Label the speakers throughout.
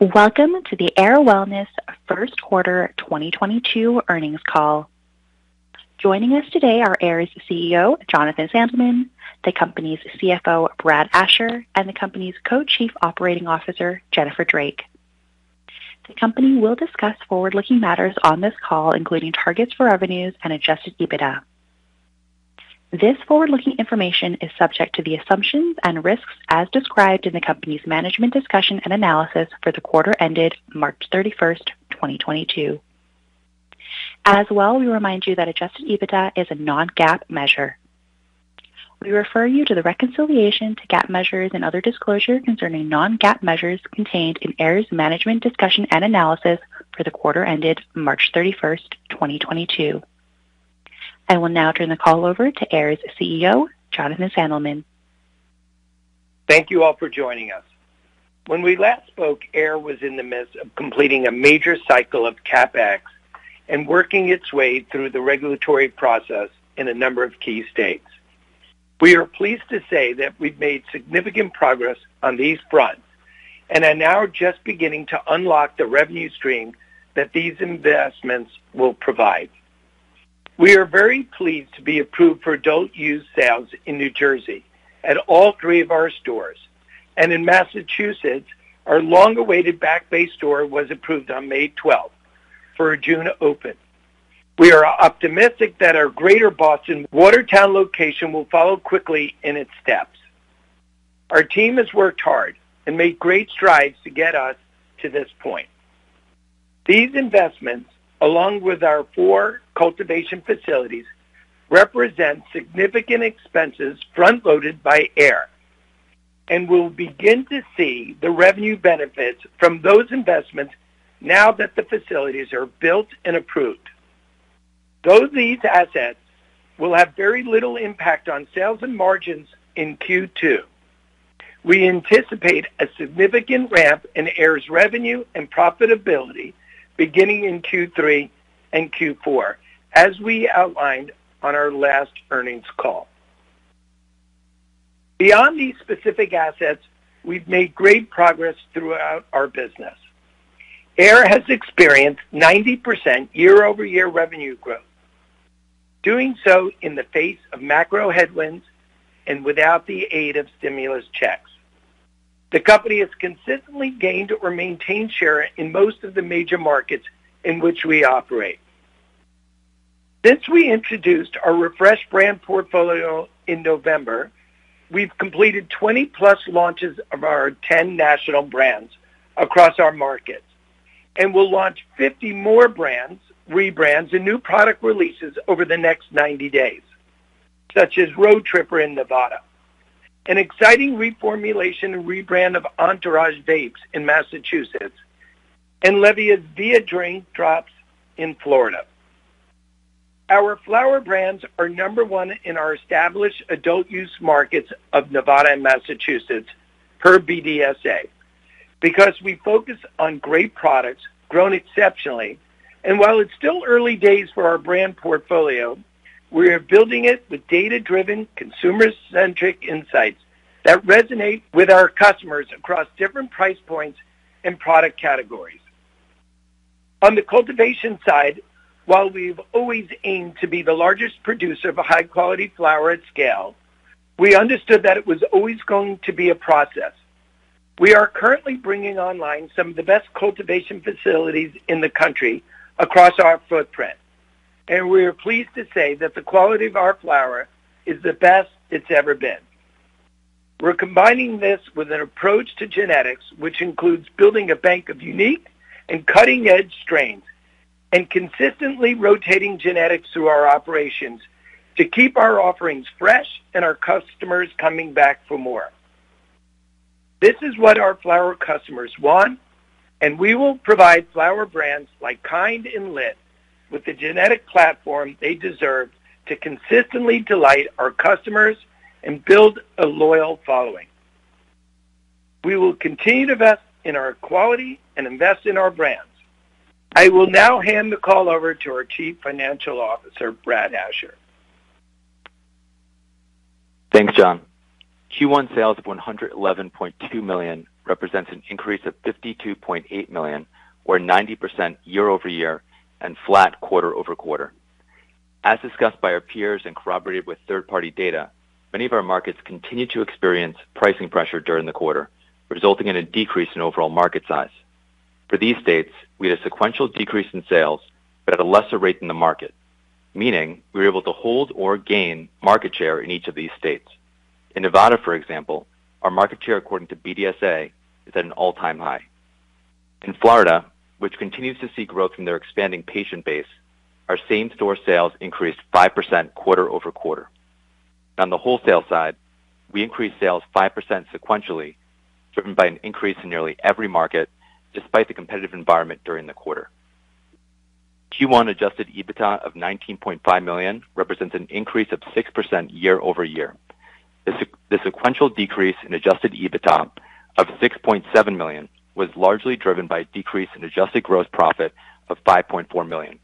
Speaker 1: Welcome to the AYR Wellness Q1 2022 Earnings Call. Joining us today are AYR's CEO, Jonathan Sandelman, the company's CFO, Brad Asher, and the company's Co-Chief Operating Officer, Jennifer Drake. The company will discuss forward-looking matters on this call, including targets for revenues and Adjusted EBITDA. This forward-looking information is subject to the assumptions and risks as described in the company's management's discussion and analysis for the quarter ended March 31st, 2022. As well, we remind you that Adjusted EBITDA is a non-GAAP measure. We refer you to the reconciliation to GAAP measures and other disclosure concerning non-GAAP measures contained in AYR's management's discussion and analysis for the quarter ended March 31st, 2022. I will now turn the call over to AYR's CEO, Jonathan Sandelman.
Speaker 2: Thank you all for joining us. When we last spoke, AYR was in the midst of completing a major cycle of CapEx and working its way through the regulatory process in a number of key states. We are pleased to say that we've made significant progress on these fronts and are now just beginning to unlock the revenue stream that these investments will provide. We are very pleased to be approved for adult use sales in New Jersey at all three of our stores. In Massachusetts, our long-awaited Back Bay store was approved on May 12th for a June open. We are optimistic that our Greater Boston Watertown location will follow quickly in its steps. Our team has worked hard and made great strides to get us to this point. These investments, along with our four cultivation facilities, represent significant expenses front-loaded by AYR, and we'll begin to see the revenue benefits from those investments now that the facilities are built and approved. Though these assets will have very little impact on sales and margins in Q2, we anticipate a significant ramp in AYR's revenue and profitability beginning in Q3 and Q4, as we outlined on our last earnings call. Beyond these specific assets, we've made great progress throughout our business. AYR has experienced 90% year-over-year revenue growth, doing so in the face of macro headwinds and without the aid of stimulus checks. The company has consistently gained or maintained share in most of the major markets in which we operate. Since we introduced our refreshed brand portfolio in November, we've completed 20-plus launches of our 10 national brands across our markets and will launch 50 more brands, rebrands, and new product releases over the next 90 days, such as Road Tripper in Nevada, an exciting reformulation and rebrand of Entourage Vapes in Massachusetts, and LEVIA's via Drink Drops in Florida. Our flower brands are number one in our established adult use markets of Nevada and Massachusetts per BDSA because we focus on great products grown exceptionally. While it's still early days for our brand portfolio, we are building it with data-driven, consumer-centric insights that resonate with our customers across different price points and product categories. On the cultivation side, while we've always aimed to be the largest producer of a high-quality flower at scale, we understood that it was always going to be a process. We are currently bringing online some of the best cultivation facilities in the country across our footprint, and we are pleased to say that the quality of our flower is the best it's ever been. We're combining this with an approach to genetics, which includes building a bank of unique and cutting-edge strains and consistently rotating genetics through our operations to keep our offerings fresh and our customers coming back for more. This is what our flower customers want, and we will provide flower brands like Kynd and LIT with the genetic platform they deserve to consistently delight our customers and build a loyal following. We will continue to invest in our quality and invest in our brands. I will now hand the call over to our Chief Financial Officer, Brad Asher.
Speaker 3: Thanks, John. Q1 sales of $111.2 million represents an increase of $52.8 million, or 90% year-over-year and flat quarter-over-quarter. As discussed by our peers and corroborated with third-party data, many of our markets continued to experience pricing pressure during the quarter, resulting in a decrease in overall market size. For these states, we had a sequential decrease in sales, but at a lesser rate than the market, meaning we were able to hold or gain market share in each of these states. In Nevada, for example, our market share according to BDSA is at an all-time high. In Florida, which continues to see growth in their expanding patient base, our same-store sales increased 5% quarter-over-quarter. On the wholesale side, we increased sales 5% sequentially, driven by an increase in nearly every market despite the competitive environment during the quarter. Q1 Adjusted EBITDA of $19.5 million represents an increase of 6% year-over-year. The sequential decrease in Adjusted EBITDA of $6.7 million was largely driven by a decrease in adjusted gross profit of $5.4 million.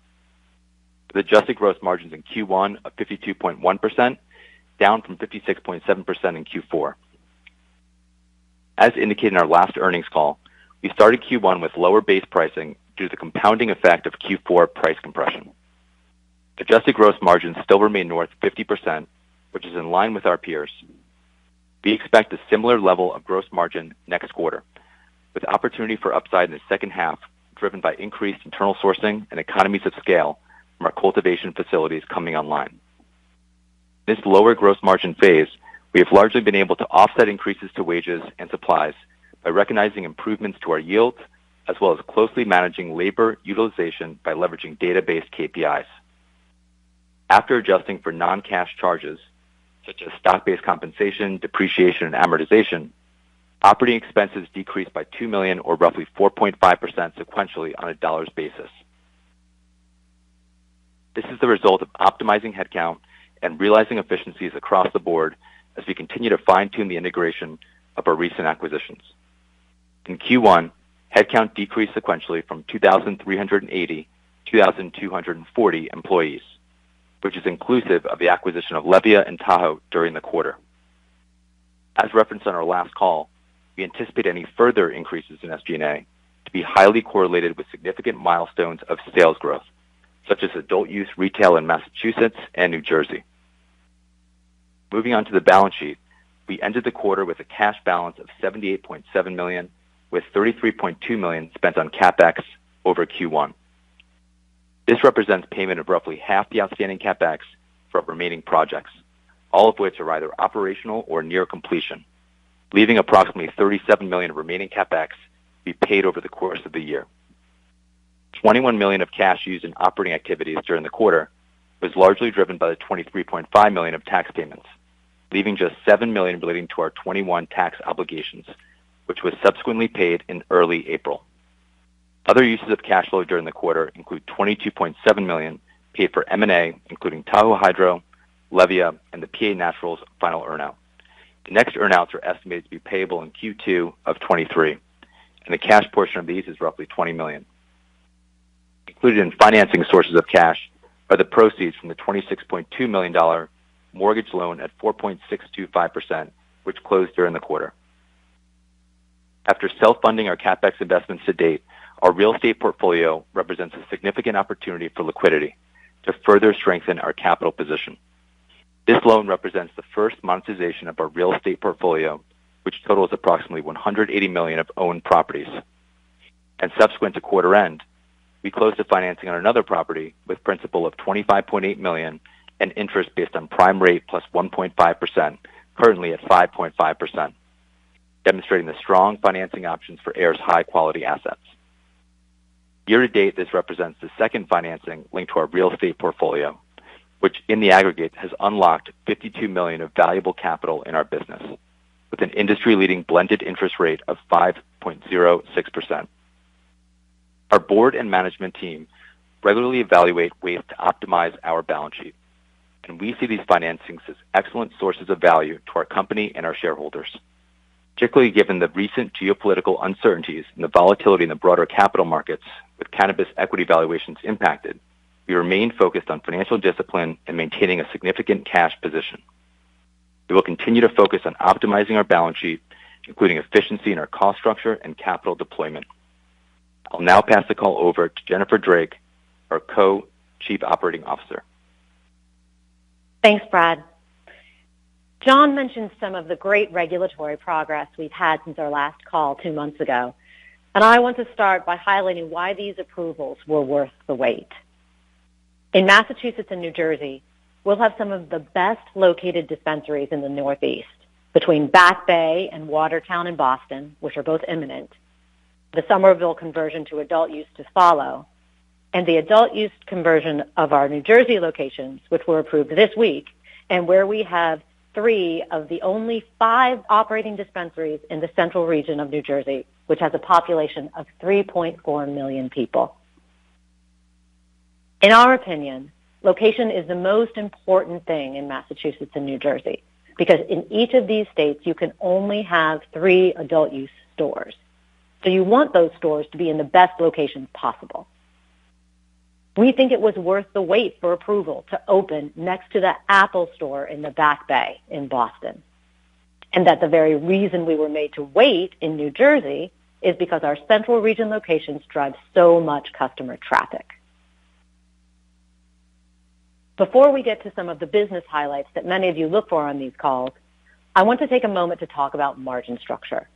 Speaker 3: The adjusted gross margins in Q1 of 52.1%, down from 56.7% in Q4. As indicated in our last earnings call, we started Q1 with lower base pricing due to the compounding effect of Q4 price compression. Adjusted gross margins still remain north of 50%, which is in line with our peers. We expect a similar level of gross margin next quarter, with opportunity for upside in the second half, driven by increased internal sourcing and economies of scale from our cultivation facilities coming online. This lower gross margin phase, we have largely been able to offset increases to wages and supplies by recognizing improvements to our yields, as well as closely managing labor utilization by leveraging database KPIs. After adjusting for non-cash charges such as stock-based compensation, depreciation, and amortization, operating expenses decreased by $2 million, or roughly 4.5% sequentially on a dollars basis. This is the result of optimizing headcount and realizing efficiencies across the board as we continue to fine-tune the integration of our recent acquisitions. In Q1, headcount decreased sequentially from 2,380 to 2,240 employees, which is inclusive of the acquisition of Levia and Tahoe during the quarter. As referenced on our last call, we anticipate any further increases in SG&A to be highly correlated with significant milestones of sales growth, such as adult use retail in Massachusetts and New Jersey. Moving on to the balance sheet, we ended the quarter with a cash balance of $78.7 million, with $33.2 million spent on CapEx over Q1. This represents payment of roughly half the outstanding CapEx for remaining projects, all of which are either operational or near completion, leaving approximately $37 million of remaining CapEx to be paid over the course of the year. $21 million of cash used in operating activities during the quarter was largely driven by the $23.5 million of tax payments, leaving just $7 million relating to our 2021 tax obligations, which was subsequently paid in early April. Other uses of cash flow during the quarter include $22.7 million paid for M&A, including Tahoe Hydro, Levia, and the PA Natural final earn out. The next earn outs are estimated to be payable in Q2 of 2023, and the cash portion of these is roughly $20 million. Included in financing sources of cash are the proceeds from the $26.2 million mortgage loan at 4.625%, which closed during the quarter. After self-funding our CapEx investments to date, our real estate portfolio represents a significant opportunity for liquidity to further strengthen our capital position. This loan represents the first monetization of our real estate portfolio, which totals approximately $180 million of owned properties. Subsequent to quarter end, we closed the financing on another property with principal of $25.8 million and interest based on prime rate plus 1.5%, currently at 5.5%, demonstrating the strong financing options for AYR's high-quality assets. Year to date, this represents the second financing linked to our real estate portfolio, which in the aggregate, has unlocked $52 million of valuable capital in our business with an industry-leading blended interest rate of 5.06%. Our board and management team regularly evaluate ways to optimize our balance sheet, and we see these financings as excellent sources of value to our company and our shareholders. Particularly given the recent geopolitical uncertainties and the volatility in the broader capital markets with cannabis equity valuations impacted, we remain focused on financial discipline and maintaining a significant cash position. We will continue to focus on optimizing our balance sheet, including efficiency in our cost structure and capital deployment. I'll now pass the call over to Jennifer Drake, our Co-Chief Operating Officer.
Speaker 4: Thanks, Brad. John mentioned some of the great regulatory progress we've had since our last call two months ago, and I want to start by highlighting why these approvals were worth the wait. In Massachusetts and New Jersey, we'll have some of the best-located dispensaries in the Northeast between Back Bay and Watertown in Boston, which are both imminent, the Somerville conversion to adult use to follow, and the adult use conversion of our New Jersey locations, which were approved this week, and where we three of the only five operating dispensaries in the central region of New Jersey, which has a population of 3.4 million people. In our opinion, location is the most important thing in Massachusetts and New Jersey, because in each of these states, you can only have three adult use stores. You want those stores to be in the best locations possible. We think it was worth the wait for approval to open next to the Apple store in the Back Bay in Boston, and that the very reason we were made to wait in New Jersey is because our central region locations drive so much customer traffic. Before we get to some of the business highlights that many of you look for on these calls, I want to take a moment to talk about margin structure.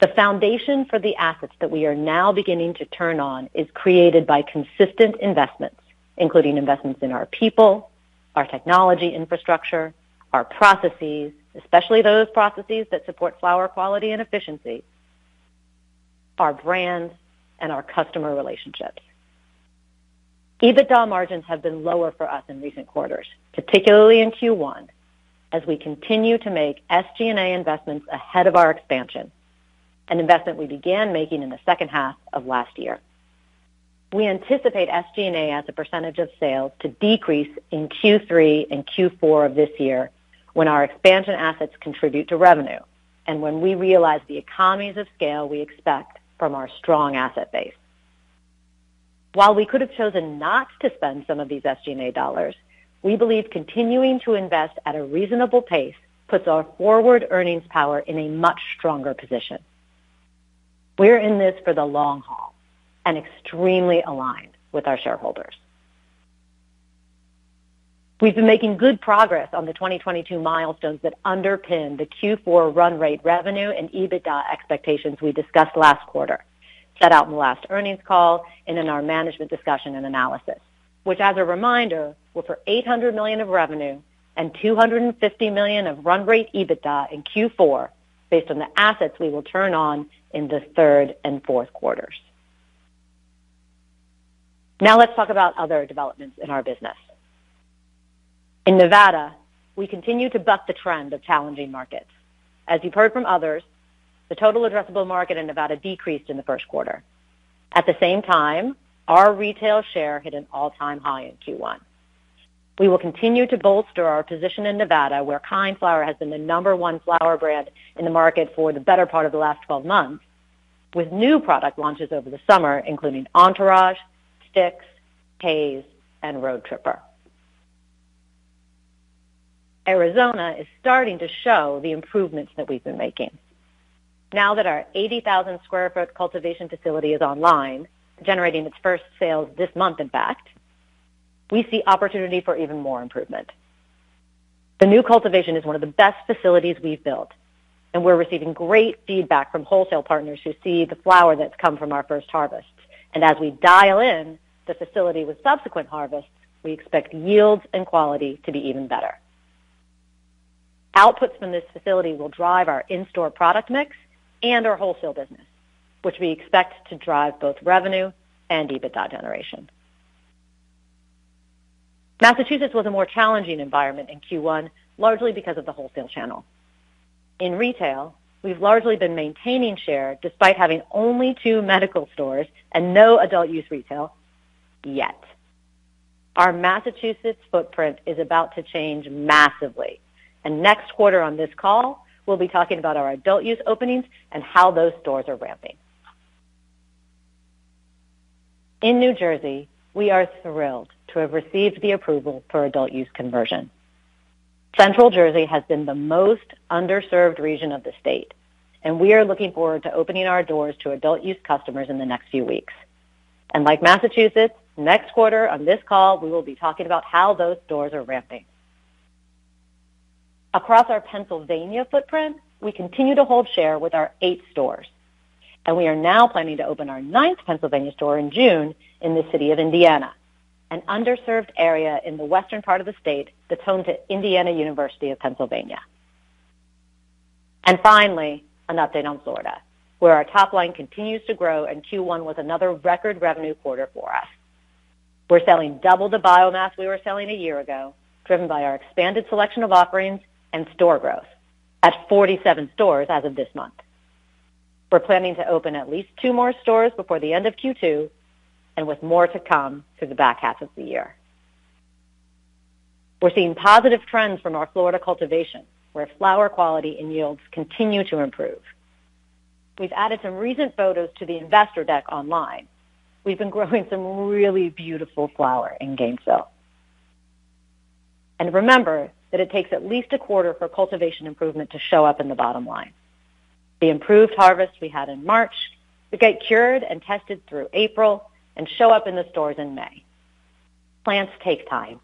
Speaker 4: The foundation for the assets that we are now beginning to turn on is created by consistent investments, including investments in our people, our technology infrastructure, our processes, especially those processes that support flower quality and efficiency, our brands, and our customer relationships. EBITDA margins have been lower for us in recent quarters, particularly in Q1, as we continue to make SG&A investments ahead of our expansion, an investment we began making in the second half of last year. We anticipate SG&A as a percentage of sales to decrease in Q3 and Q4 of this year when our expansion assets contribute to revenue. When we realize the economies of scale we expect from our strong asset base. While we could have chosen not to spend some of these SG&A dollars, we believe continuing to invest at a reasonable pace puts our forward earnings power in a much stronger position. We're in this for the long haul and extremely aligned with our shareholders. We've been making good progress on the 2022 milestones that underpin the Q4 run rate revenue and EBITDA expectations we discussed last quarter, set out in the last earnings call, and in our management's discussion and analysis, which as a reminder, were for $800 million of revenue and $250 million of run rate EBITDA in Q4 based on the assets we will turn on in the Q3 and Q4. Now let's talk about other developments in our business. In Nevada, we continue to buck the trend of challenging markets. As you've heard from others, the total addressable market in Nevada decreased in the Q1. At the same time, our retail share hit an all-time high in Q1. We will continue to bolster our position in Nevada, where Kynd Flower has been the number one flower brand in the market for the better part of the last 12 months, with new product launches over the summer, including Entourage, STiX, Haze, and Road Tripper. Arizona is starting to show the improvements that we've been making. Now that our 80,000 sq ft cultivation facility is online, generating its first sales this month in fact, we see opportunity for even more improvement. The new cultivation is one of the best facilities we've built, and we're receiving great feedback from wholesale partners who see the flower that's come from our first harvest. As we dial in the facility with subsequent harvests, we expect yields and quality to be even better. Outputs from this facility will drive our in-store product mix and our wholesale business, which we expect to drive both revenue and EBITDA generation. Massachusetts was a more challenging environment in Q1, largely because of the wholesale channel. In retail, we've largely been maintaining share despite having only two medical stores and no adult use retail, yet. Our Massachusetts footprint is about to change massively, and next quarter on this call, we'll be talking about our adult use openings and how those stores are ramping. In New Jersey, we are thrilled to have received the approval for adult use conversion. Central Jersey has been the most underserved region of the state, and we are looking forward to opening our doors to adult use customers in the next few weeks. Like Massachusetts, next quarter on this call, we will be talking about how those stores are ramping. Across our Pennsylvania footprint, we continue to hold share with our eight stores, and we are now planning to open our ninth Pennsylvania store in June in the city of Indiana, an underserved area in the western part of the state that's home to Indiana University of Pennsylvania. Finally, an update on Florida, where our top line continues to grow, and Q1 was another record revenue quarter for us. We're selling double the biomass we were selling a year ago, driven by our expanded selection of offerings and store growth at 47 stores as of this month. We're planning to open at least two more stores before the end of Q2, and with more to come through the back half of the year. We're seeing positive trends from our Florida cultivation, where flower quality and yields continue to improve. We've added some recent photos to the investor deck online. We've been growing some really beautiful flower in Gainesville. Remember that it takes at least a quarter for cultivation improvement to show up in the bottom line. The improved harvest we had in March will get cured and tested through April and show up in the stores in May. Plants take time.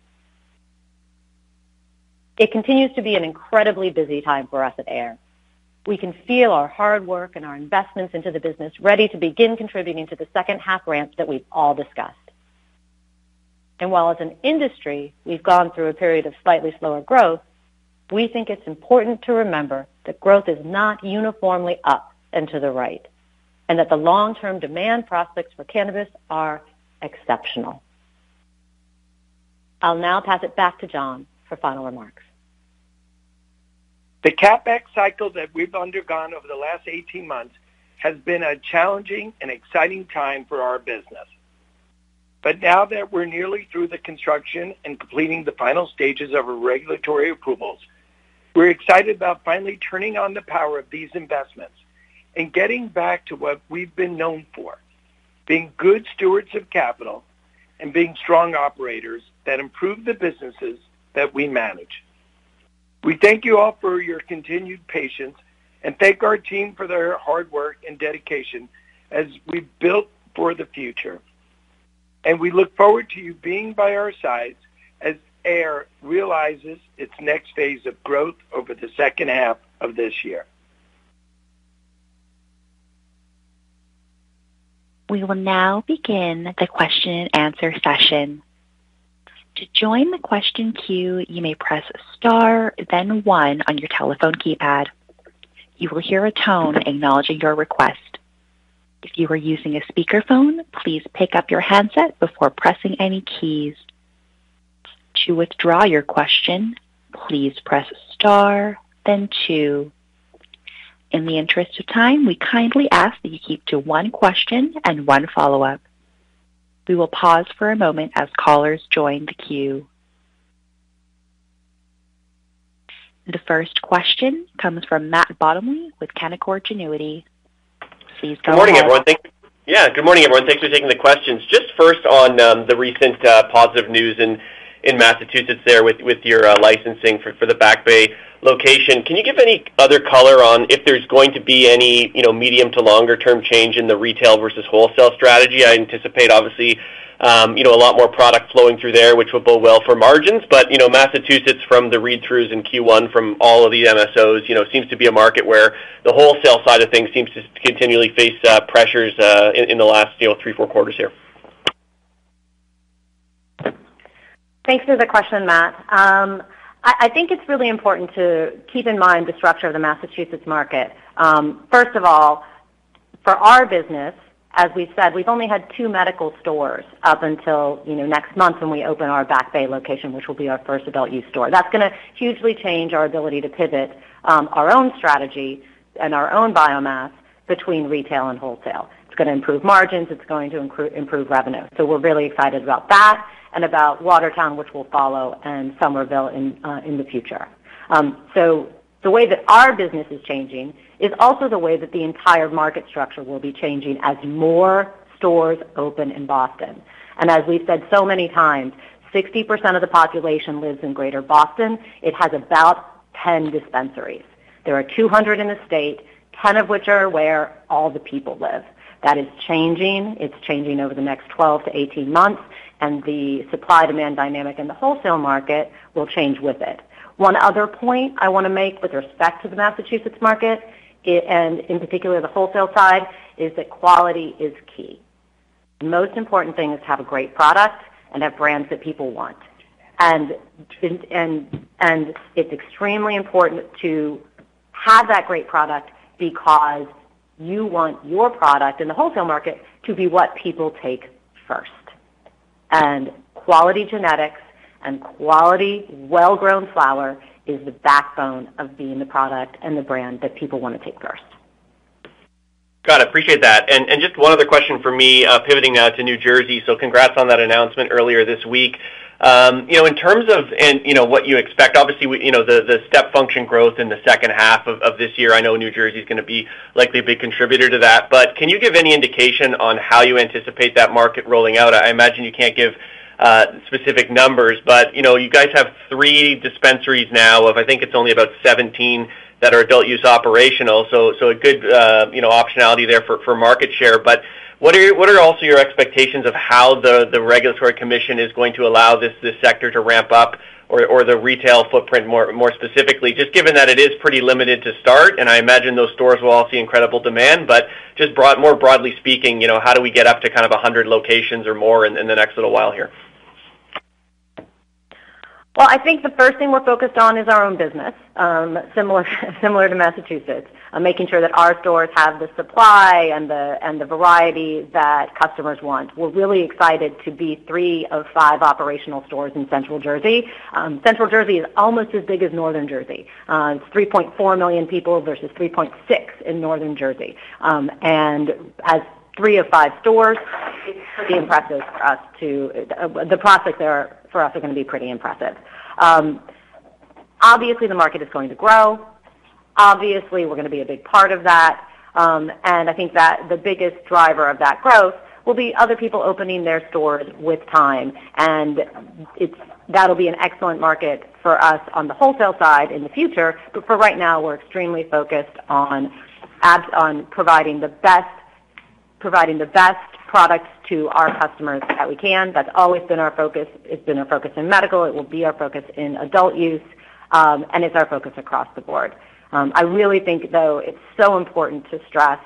Speaker 4: It continues to be an incredibly busy time for us at AYR. We can feel our hard work and our investments into the business ready to begin contributing to the second-half ramps that we've all discussed. While as an industry, we've gone through a period of slightly slower growth, we think it's important to remember that growth is not uniformly up and to the right, and that the long-term demand prospects for cannabis are exceptional. I'll now pass it back to John for final remarks.
Speaker 2: The CapEx cycle that we've undergone over the last 18 months has been a challenging and exciting time for our business. Now that we're nearly through the construction and completing the final stages of our regulatory approvals, we're excited about finally turning on the power of these investments and getting back to what we've been known for, being good stewards of capital and being strong operators that improve the businesses that we manage. We thank you all for your continued patience, and thank our team for their hard work and dedication as we build for the future. We look forward to you being by our sides as AYR realizes its next phase of growth over the second half of this year.
Speaker 1: We will now begin the question and answer session. To join the question queue, you may press star, then one on your telephone keypad. You will hear a tone acknowledging your request. If you are using a speakerphone, please pick up your handset before pressing any keys. To withdraw your question, please press star, then two. In the interest of time, we kindly ask that you keep to one question and one follow-up. We will pause for a moment as callers join the queue. The first question comes from Matt Bottomley with Canaccord Genuity. Please go ahead.
Speaker 5: Good morning, everyone. Thank you. Yeah, good morning, everyone. Thanks for taking the questions. Just first on the recent positive news in Massachusetts there with your licensing for the Back Bay location. Can you give any other color on if there's going to be any, you know, medium to longer-term change in the retail versus wholesale strategy? I anticipate obviously, you know, a lot more product flowing through there, which would bode well for margins. You know, Massachusetts from the read-throughs in Q1 from all of the MSOs, you know, seems to be a market where the wholesale side of things seems to continually face pressures in the last, you know, three, four quarters here.
Speaker 4: Thanks for the question, Matt. I think it's really important to keep in mind the structure of the Massachusetts market. First of all, for our business, as we said, we've only had two medical stores up until, you know, next month when we open our Back Bay location, which will be our first adult use store. That's gonna hugely change our ability to pivot, our own strategy and our own biomass between retail and wholesale. It's gonna improve margins, it's going to improve revenue. So we're really excited about that and about Watertown, which will follow, and Somerville in the future. The way that our business is changing is also the way that the entire market structure will be changing as more stores open in Boston. As we've said so many times, 60% of the population lives in Greater Boston. It has about 10 dispensaries. There are 200 in the state, 10 of which are where all the people live. That is changing. It's changing over the next 12-18 months, and the supply-demand dynamic in the wholesale market will change with it. One other point I wanna make with respect to the Massachusetts market and in particular, the wholesale side, is that quality is key. The most important thing is to have a great product and have brands that people want. It's extremely important to have that great product because you want your product in the wholesale market to be what people take first. Quality genetics and quality well-grown flower is the backbone of being the product and the brand that people wanna take first.
Speaker 5: Got it. Appreciate that. Just one other question from me, pivoting to New Jersey. Congrats on that announcement earlier this week. You know, in terms of what you expect, obviously, you know, the step function growth in the second half of this year, I know New Jersey is gonna be likely a big contributor to that. Can you give any indication on how you anticipate that market rolling out? I imagine you can't give specific numbers, but you know, you guys have three dispensaries now out of, I think it's only about 17 that are adult use operational, so a good you know, optionality there for market share. What are also your expectations of how the regulatory commission is going to allow this sector to ramp up or the retail footprint more specifically? Just given that it is pretty limited to start, and I imagine those stores will all see incredible demand. Just broadly speaking, you know, how do we get up to kind of 100 locations or more in the next little while here?
Speaker 4: Well, I think the first thing we're focused on is our own business, similar to Massachusetts, making sure that our stores have the supply and the variety that customers want. We're really excited to be three of five operational stores in Central Jersey. Central Jersey is almost as big as Northern Jersey. It's 3.4 million people versus 3.6 million in Northern Jersey. As three of five stores, it's pretty impressive for us. The profits there for us are gonna be pretty impressive. Obviously the market is going to grow. Obviously, we're gonna be a big part of that. I think that the biggest driver of that growth will be other people opening their stores with time. It'll be an excellent market for us on the wholesale side in the future, but for right now, we're extremely focused on ATCs on providing the best products to our customers that we can. That's always been our focus. It's been our focus in medical, it will be our focus in adult use, and it's our focus across the board. I really think, though, it's so important to stress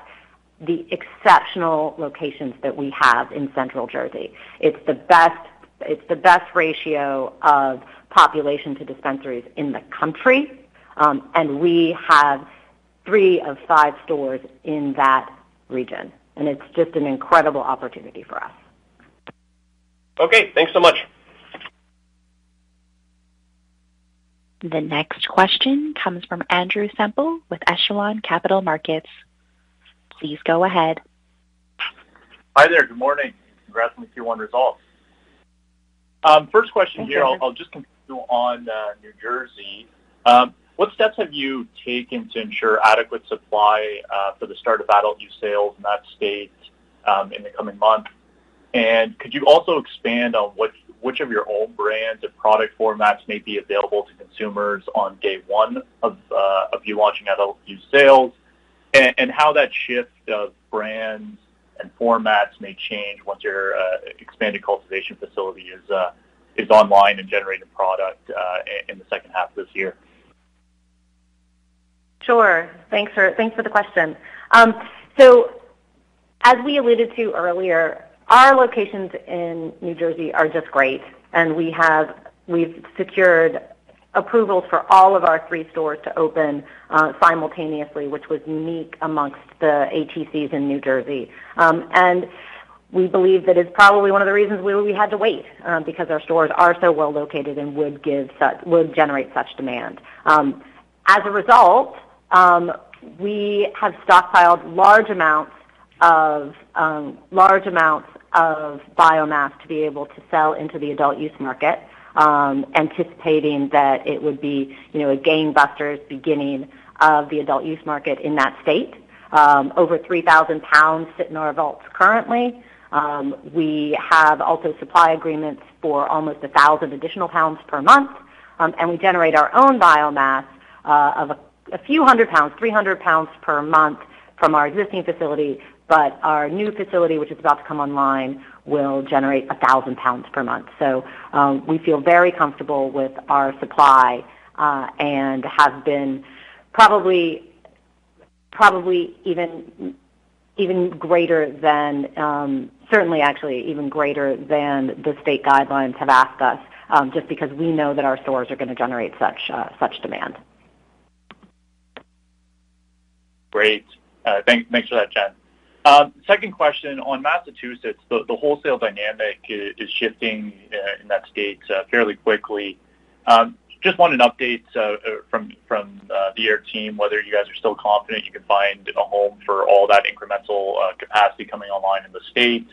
Speaker 4: the exceptional locations that we have in Central Jersey. It's the best ratio of population to dispensaries in the country. We have three of five stores in that region, and it's just an incredible opportunity for us.
Speaker 5: Okay, thanks so much.
Speaker 1: The next question comes from Andrew Semple with Echelon Capital Markets. Please go ahead.
Speaker 6: Hi there. Good morning. Congrats on the Q1 results. First question here, I'll just continue on New Jersey. What steps have you taken to ensure adequate supply for the start of adult use sales in that state in the coming months? Could you also expand on which of your own brands and product formats may be available to consumers on day one of you launching adult use sales? How that shift of brands and formats may change once your expanded cultivation facility is online and generating product in the second half of this year.
Speaker 4: Sure. Thanks for the question. As we alluded to earlier, our locations in New Jersey are just great, and we've secured approvals for all of our three stores to open simultaneously, which was unique amongst the ATCs in New Jersey. We believe that it's probably one of the reasons we had to wait, because our stores are so well located and would generate such demand. As a result, we have stockpiled large amounts of biomass to be able to sell into the adult use market, anticipating that it would be, you know, a game-changer's beginning of the adult use market in that state. Over 3,000 lbs sit in our vaults currently. We have also supply agreements for almost 1,000 additional pounds per month. We generate our own biomass of a few hundred pounds, 300 lbs per month from our existing facility. Our new facility, which is about to come online, will generate 1,000 lbs per month. We feel very comfortable with our supply and have been probably even greater than the state guidelines have asked us, certainly actually even greater than, just because we know that our stores are gonna generate such demand.
Speaker 6: Great. Thanks for that, Jen. Second question. On Massachusetts, the wholesale dynamic is shifting in that state fairly quickly. Just wanted updates from the AYR team, whether you guys are still confident you can find a home for all that incremental capacity coming online in the state.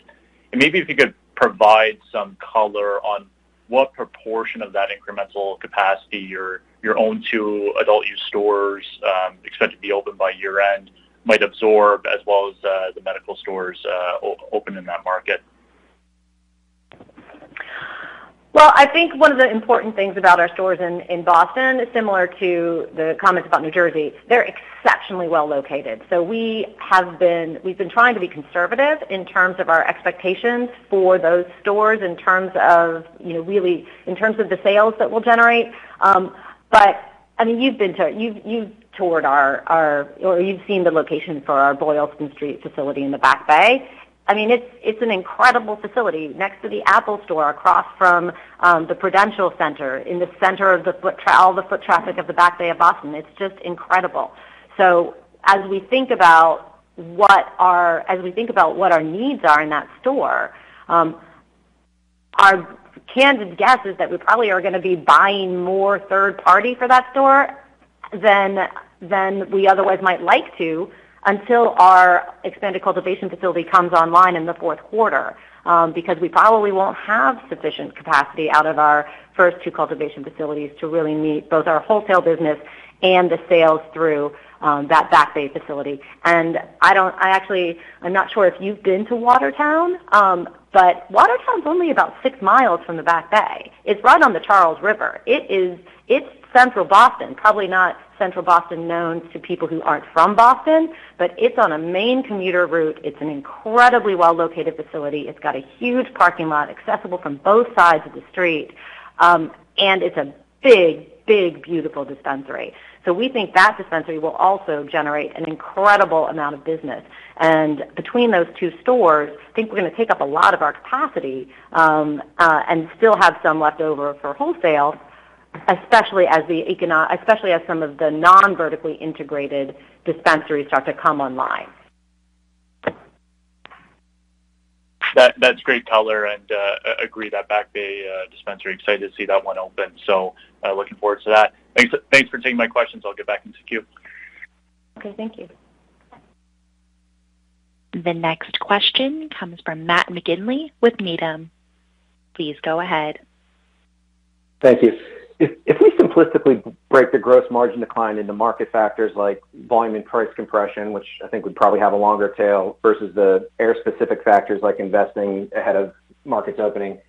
Speaker 6: Maybe if you could provide some color on what proportion of that incremental capacity your own two adult use stores expect to be open by year-end might absorb as well as the medical stores open in that market.
Speaker 4: Well, I think one of the important things about our stores in Boston is similar to the comments about New Jersey. They're exceptionally well located. We've been trying to be conservative in terms of our expectations for those stores in terms of, you know, really in terms of the sales that we'll generate. But, I mean, you've seen the location for our Boylston Street facility in the Back Bay. I mean, it's an incredible facility next to the Apple store, across from the Prudential Center, in the center of all the foot traffic of the Back Bay of Boston. It's just incredible. As we think about what our needs are in that store, our candid guess is that we probably are gonna be buying more third party for that store than we otherwise might like to, until our expanded cultivation facility comes online in the Q4. Because we probably won't have sufficient capacity out of our first two cultivation facilities to really meet both our wholesale business and the sales through that Back Bay facility. I actually, I'm not sure if you've been to Watertown, but Watertown's only about 6 mi from the Back Bay. It's right on the Charles River. It's central Boston, probably not central Boston known to people who aren't from Boston, but it's on a main commuter route. It's an incredibly well located facility. It's got a huge parking lot accessible from both sides of the street, and it's a big, beautiful dispensary. We think that dispensary will also generate an incredible amount of business. Between those two stores, I think we're gonna take up a lot of our capacity, and still have some left over for wholesale, especially as some of the non-vertically integrated dispensaries start to come online.
Speaker 6: That's great color and agree that Back Bay dispensary. Excited to see that one open. Looking forward to that. Thanks for taking my questions. I'll get back into queue.
Speaker 4: Okay, thank you.
Speaker 1: The next question comes from Matt McGinley with Needham. Please go ahead.
Speaker 7: Thank you. If we simplistically break the gross margin decline into market factors like volume and price compression, which I think would probably have a longer tail versus the Ayr specific factors like investing ahead of markets opening,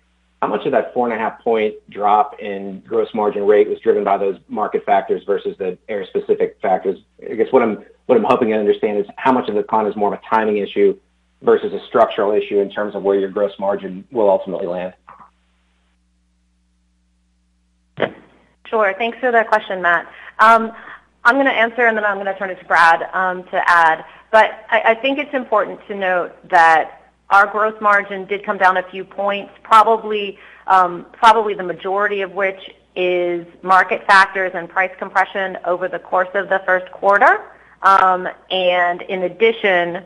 Speaker 7: how much of that 4.5-point drop in gross margin rate was driven by those market factors versus the AYR specific factors? I guess what I'm hoping to understand is how much of the decline is more of a timing issue versus a structural issue in terms of where your gross margin will ultimately land.
Speaker 4: Sure. Thanks for that question, Matt. I'm gonna answer, and then I'm gonna turn it to Brad to add. I think it's important to note that our gross margin did come down a few points, probably the majority of which is market factors and price compression over the course of the Q1. In addition,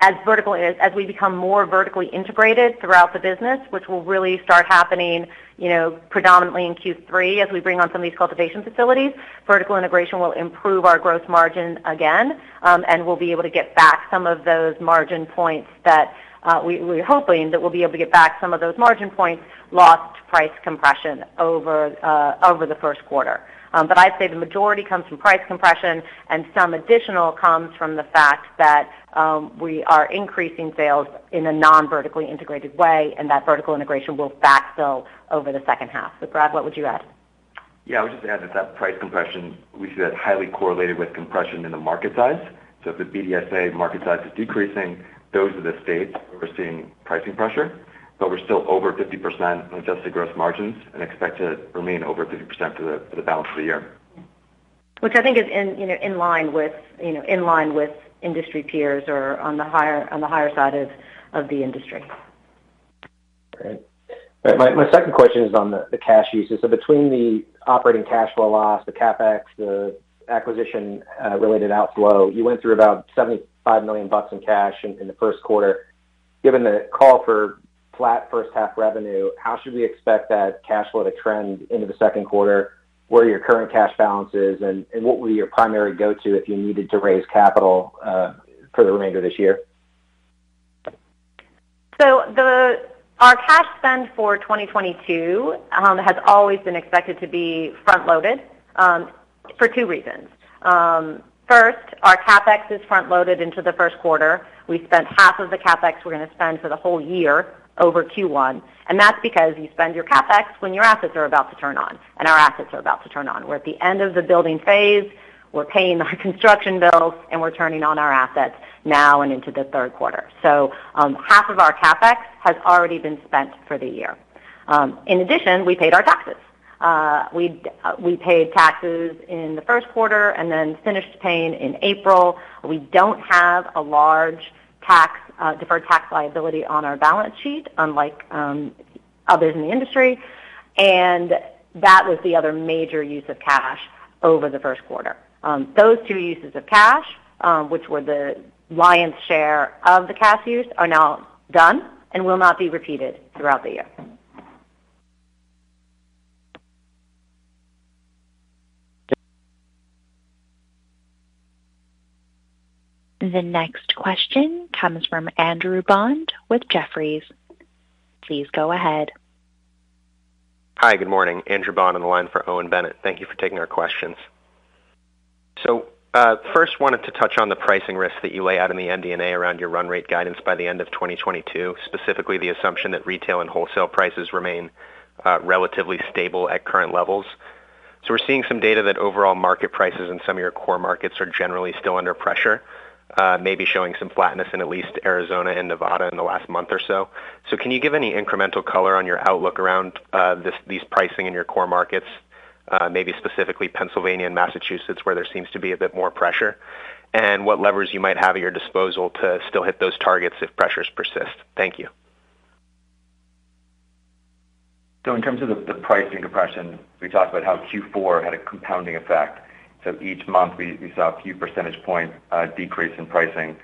Speaker 4: as we become more vertically integrated throughout the business, which will really start happening, you know, predominantly in Q3 as we bring on some of these cultivation facilities, vertical integration will improve our gross margin again. We'll be able to get back some of those margin points that we're hoping to get back, lost to price compression over the Q1. I'd say the majority comes from price compression, and some additional comes from the fact that we are increasing sales in a non-vertically integrated way, and that vertical integration will backfill over the second half. Brad, what would you add?
Speaker 3: Yeah, I would just add that price compression, we see that highly correlated with compression in the market size. If the BDSA market size is decreasing, those are the states we're seeing pricing pressure. We're still over 50% on adjusted gross margins and expect to remain over 50% for the balance of the year.
Speaker 4: Which I think is in line with, you know, industry peers or on the higher side of the industry.
Speaker 7: Great. My second question is on the cash usage. Between the operating cash flow loss, the CapEx, the acquisition related outflow, you went through about $75 million in cash in the Q1. Given the call for flat first half revenue, how should we expect that cash flow to trend into the Q2, where your current cash balance is, and what will your primary go-to if you needed to raise capital for the remainder of this year?
Speaker 4: Our cash spend for 2022 has always been expected to be front-loaded for two reasons. First, our CapEx is front-loaded into the Q1. We spent half of the CapEx we're gonna spend for the whole year over Q1, and that's because you spend your CapEx when your assets are about to turn on, and our assets are about to turn on. We're at the end of the building phase, we're paying our construction bills, and we're turning on our assets now and into the Q3. Half of our CapEx has already been spent for the year. In addition, we paid our taxes. We paid taxes in the Q1 and then finished paying in April. We don't have a large tax deferred tax liability on our balance sheet, unlike others in the industry. That was the other major use of cash over the Q1. Those two uses of cash, which were the lion's share of the cash use, are now done and will not be repeated throughout the year.
Speaker 1: The next question comes from Andrew Bond with Jefferies. Please go ahead.
Speaker 8: Hi, good morning. Andrew Bond on the line for Owen Bennett. Thank you for taking our questions. First wanted to touch on the pricing risk that you lay out in the MD&A around your run rate guidance by the end of 2022, specifically the assumption that retail and wholesale prices remain relatively stable at current levels. We're seeing some data that overall market prices in some of your core markets are generally still under pressure, maybe showing some flatness in at least Arizona and Nevada in the last month or so. Can you give any incremental color on your outlook around these pricing in your core markets, maybe specifically Pennsylvania and Massachusetts, where there seems to be a bit more pressure? And what levers you might have at your disposal to still hit those targets if pressures persist? Thank you.
Speaker 3: In terms of the pricing depression, we talked about how Q4 had a compounding effect. Each month we saw a few percentage points decrease in pricing.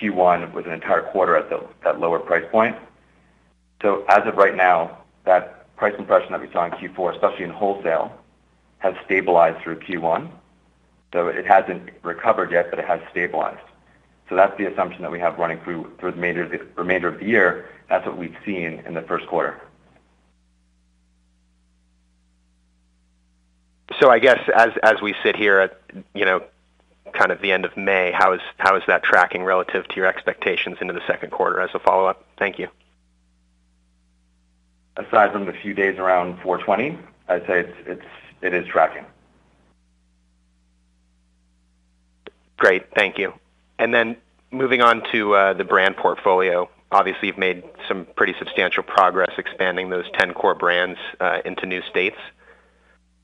Speaker 3: Q1 was an entire quarter at the lower price point. As of right now, that price depression that we saw in Q4, especially in wholesale, has stabilized through Q1. It hasn't recovered yet, but it has stabilized. That's the assumption that we have running through the remainder of the year. That's what we've seen in the Q1.
Speaker 8: I guess as we sit here at, you know, kind of the end of May, how is that tracking relative to your expectations into the Q2 as a follow-up? Thank you.
Speaker 3: Aside from the few days around 4/20, I'd say it is tracking.
Speaker 8: Great. Thank you. Moving on to the brand portfolio. Obviously, you've made some pretty substantial progress expanding those 10 core brands into new states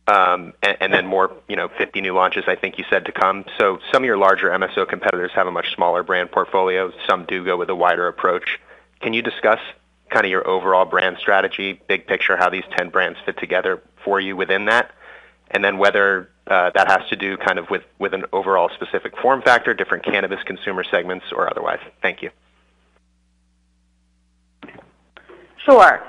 Speaker 8: and more, you know, 50 new launches I think you said to come. Some of your larger MSO competitors have a much smaller brand portfolio. Some do go with a wider approach. Can you discuss kind of your overall brand strategy, big picture, how these 10 brands fit together for you within that? And then whether that has to do kind of with an overall specific form factor, different cannabis consumer segments or otherwise. Thank you.
Speaker 4: Sure.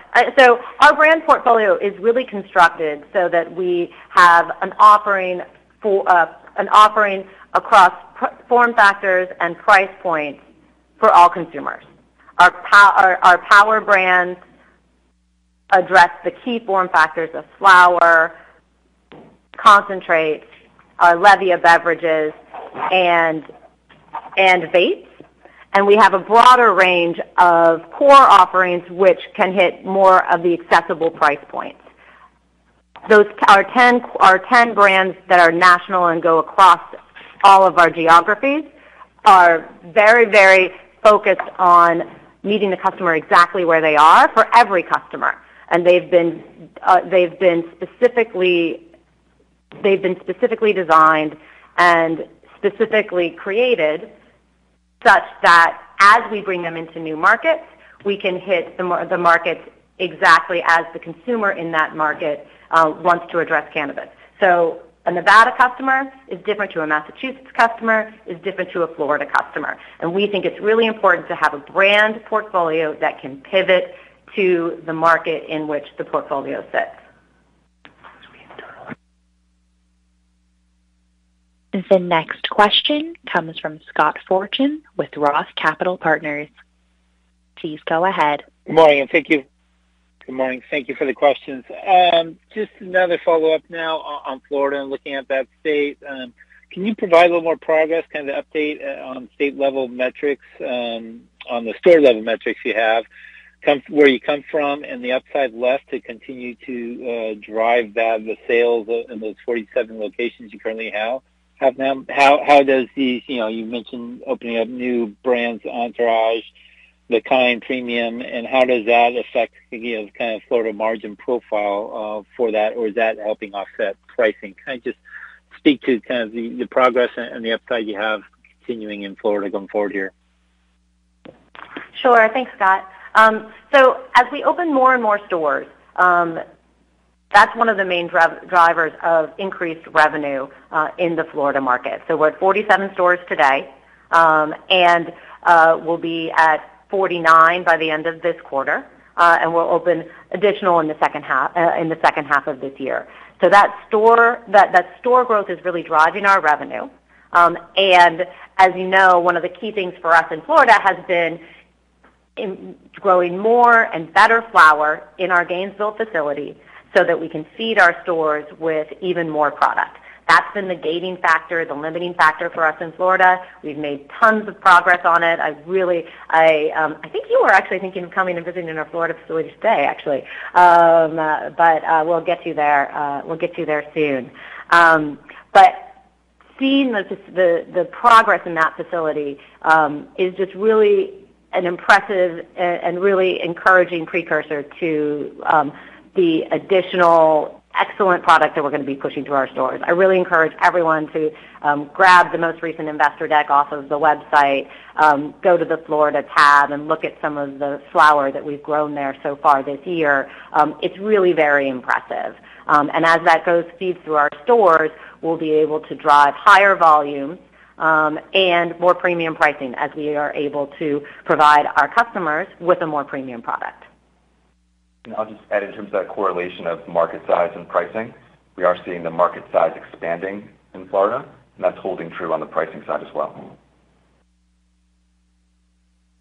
Speaker 4: Our brand portfolio is really constructed so that we have an offering for an offering across form factors and price points for all consumers. Our power brands address the key form factors of flower, concentrate, our Levia beverages and vapes. We have a broader range of core offerings which can hit more of the accessible price points. Those are 10 brands that are national and go across all of our geographies, very focused on meeting the customer exactly where they are for every customer. They've been specifically designed and specifically created such that as we bring them into new markets, we can hit the markets exactly as the consumer in that market wants to address cannabis. A Nevada customer is different to a Massachusetts customer, is different to a Florida customer. We think it's really important to have a brand portfolio that can pivot to the market in which the portfolio sits.
Speaker 1: The next question comes from Scott Fortune with ROTH Capital Partners. Please go ahead.
Speaker 9: Good morning, and thank you. Good morning. Thank you for the questions. Just another follow-up now on Florida and looking at that state. Can you provide a little more progress, kind of update, on state-level metrics, on the store-level metrics you have, where you come from and the upside left to continue to drive that, the sales in those 47 locations you currently have now. How does these, you know, you mentioned opening up new brands, Entourage, Kynd premium, and how does that affect, you know, kind of Florida margin profile, for that or is that helping offset pricing? Can you just speak to kind of the progress and the upside you have continuing in Florida going forward here?
Speaker 4: Sure. Thanks, Scott. As we open more and more stores, that's one of the main drivers of increased revenue in the Florida market. We're at 47 stores today, and we'll be at 49 by the end of this quarter, and we'll open additional in the second half of this year. That store growth is really driving our revenue. As you know, one of the key things for us in Florida has been growing more and better flower in our Gainesville facility so that we can feed our stores with even more product. That's been the gating factor, the limiting factor for us in Florida. We've made tons of progress on it. I think you were actually thinking of coming and visiting in our Florida facility today, actually. We'll get you there, we'll get you there soon. Seeing the progress in that facility is just really an impressive and really encouraging precursor to the additional excellent product that we're gonna be pushing to our stores. I really encourage everyone to grab the most recent investor deck off of the website, go to the Florida tab and look at some of the flower that we've grown there so far this year. It's really very impressive. As that goes feed through our stores, we'll be able to drive higher volume and more premium pricing as we are able to provide our customers with a more premium product.
Speaker 3: I'll just add in terms of that correlation of market size and pricing, we are seeing the market size expanding in Florida, and that's holding true on the pricing side as well.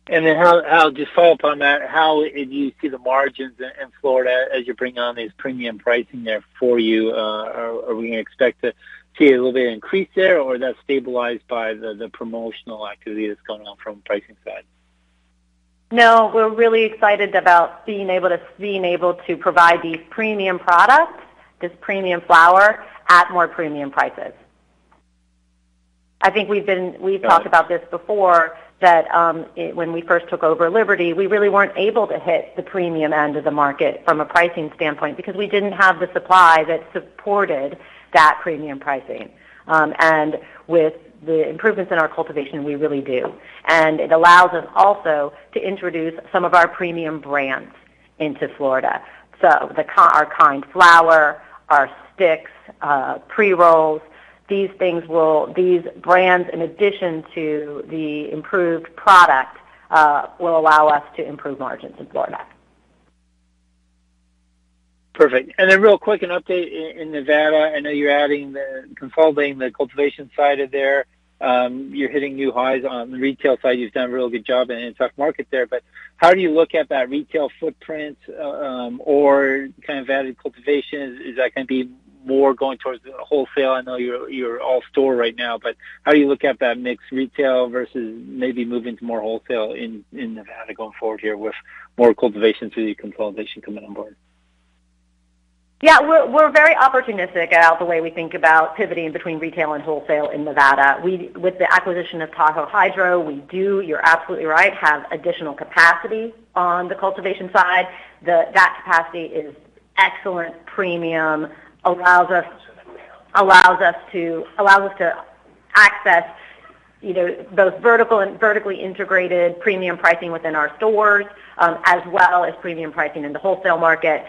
Speaker 9: How, just follow up on that, how do you see the margins in Florida as you bring on these premium pricing there for you? Are we gonna expect to see a little bit increase there, or that's stabilized by the promotional activity that's going on from pricing side?
Speaker 4: No, we're really excited about being able to provide these premium products, this premium flower at more premium prices. I think we've talked about this before that, when we first took over Liberty, we really weren't able to hit the premium end of the market from a pricing standpoint because we didn't have the supply that supported that premium pricing. With the improvements in our cultivation, we really do. It allows us also to introduce some of our premium brands into Florida. Our Kynd flower, our Sticks, pre-rolls, these brands, in addition to the improved product, will allow us to improve margins in Florida.
Speaker 9: Perfect. Real quick, an update in Nevada. I know you're consolidating the cultivation side of there. You're hitting new highs on the retail side. You've done a real good job in the stock market there, but how do you look at that retail footprint, or kind of added cultivations? Is that gonna be more going towards the wholesale? I know you're all store right now, but how do you look at that mix retail versus maybe moving to more wholesale in Nevada going forward here with more cultivation through the consolidation coming on board?
Speaker 4: Yeah. We're very opportunistic about the way we think about pivoting between retail and wholesale in Nevada. With the acquisition of Tahoe Hydro, we do, you're absolutely right, have additional capacity on the cultivation side. That capacity is excellent premium, allows us to access, you know, those vertical and vertically integrated premium pricing within our stores, as well as premium pricing in the wholesale market.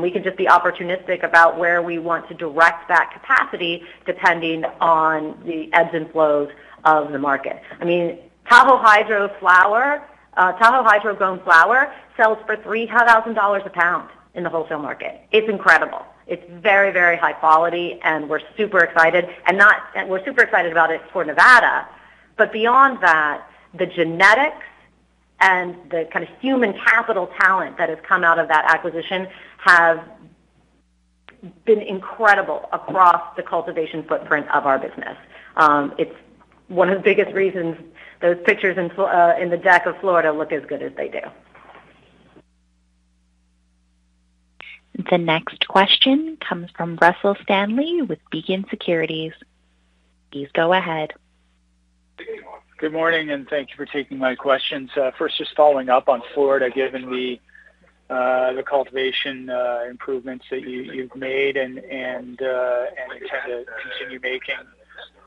Speaker 4: We can just be opportunistic about where we want to direct that capacity depending on the ebbs and flows of the market. I mean, Tahoe Hydro flower, Tahoe Hydro grown flower sells for $3,000 a pound in the wholesale market. It's incredible. It's very, very high quality, and we're super excited. We're super excited about it for Nevada, but beyond that, the genetics and the kind of human capital talent that has come out of that acquisition have been incredible across the cultivation footprint of our business. It's one of the biggest reasons those pictures in the deck of Florida look as good as they do.
Speaker 1: The next question comes from Russell Stanley with Beacon Securities. Please go ahead.
Speaker 10: Good morning, and thank you for taking my questions. First, just following up on Florida, given the cultivation improvements that you've made and intend to continue making.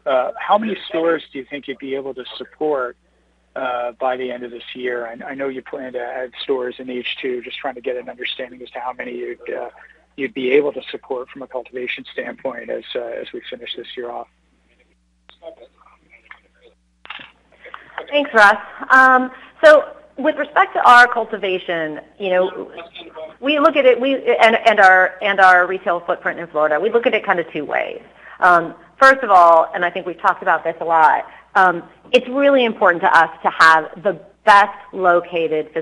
Speaker 10: How many stores do you think you'd be able to support by the end of this year? I know you plan to add stores in H2. Just trying to get an understanding as to how many you'd be able to support from a cultivation standpoint as we finish this year off.
Speaker 4: Thanks, Russ. With respect to our cultivation, you know, we look at it and our retail footprint in Florida, we look at it kind of two ways. First of all, I think we've talked about this a lot, it's really important to us to have the best located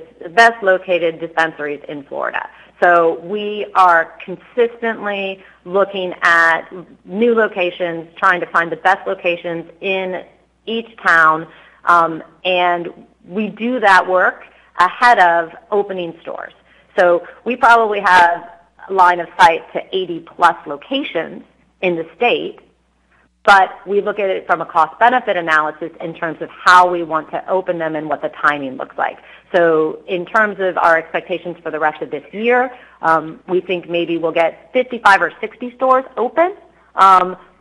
Speaker 4: dispensaries in Florida. We are consistently looking at new locations, trying to find the best locations in each town, and we do that work ahead of opening stores. We probably have a line of sight to 80+ locations in the state, but we look at it from a cost-benefit analysis in terms of how we want to open them and what the timing looks like. In terms of our expectations for the rest of this year, we think maybe we'll get 55 or 60 stores open.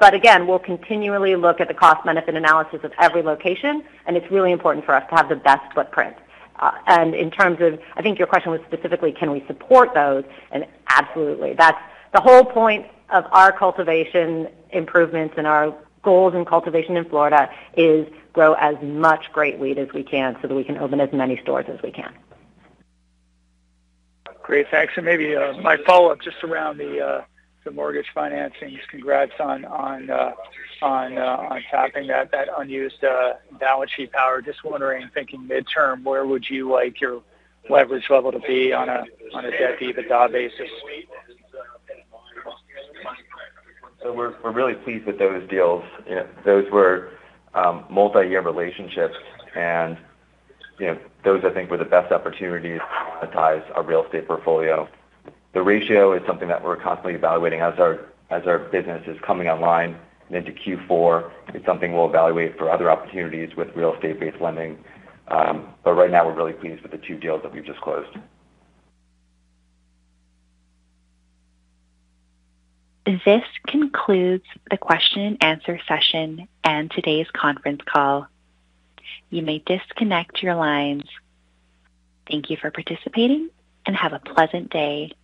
Speaker 4: Again, we'll continually look at the cost-benefit analysis of every location, and it's really important for us to have the best footprint. In terms of, I think your question was specifically, can we support those? Absolutely. That's the whole point of our cultivation improvements and our goals in cultivation in Florida is grow as much great weed as we can so that we can open as many stores as we can.
Speaker 10: Great. Thanks. Maybe my follow-up just around the mortgage financings. Congrats on tapping that unused balance sheet power. Just wondering, thinking midterm, where would you like your leverage level to be on a debt EBITDA basis?
Speaker 3: We're really pleased with those deals. Those were multi-year relationships and, you know, those, I think, were the best opportunities to monetize our real estate portfolio. The ratio is something that we're constantly evaluating as our business is coming online into Q4. It's something we'll evaluate for other opportunities with real estate-based lending. Right now we're really pleased with the two deals that we've just closed.
Speaker 1: This concludes the question and answer session and today's conference call. You may disconnect your lines. Thank you for participating and have a pleasant day.